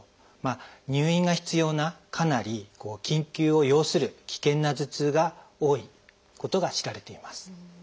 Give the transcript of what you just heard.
入院が必要なかなり緊急を要する危険な頭痛が多いことが知られています。